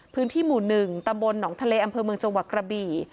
พื้นที่หมู่๑ตำบลหนองทะเลอำเภอเมืองจังหวัดกระบี่